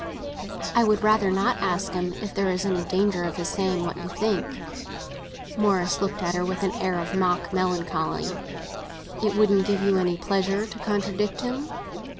"I would rather not ask him, if there is any danger of his saying what you think." Morris looked at her with an air of mock melancholy. "It wouldn't give you any pleasure to contradict him?"